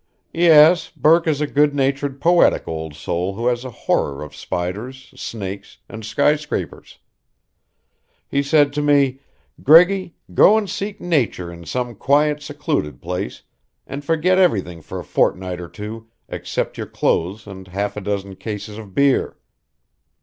"Yes, Burke is a good natured, poetic old soul who has a horror of spiders, snakes, and sky scrapers. He said to me: 'Greggy, go and seek nature in some quiet, secluded place, and forget everything for a fortnight or two except your clothes and half a dozen cases of beer.'